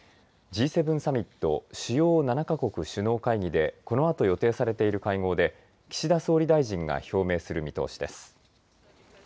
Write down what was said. Ｇ７サミット・主要７か国首脳会議でこのあと予定されている会合で岸田総理大臣が表明する見通しです。